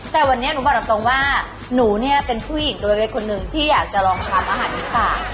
แต่วันนี้หนูบอกตรงว่าหนูเนี่ยเป็นผู้หญิงตัวเล็กคนหนึ่งที่อยากจะลองทำอาหารอีสาน